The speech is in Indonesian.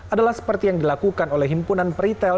adalah seperti yang dilakukan oleh himpunan peritel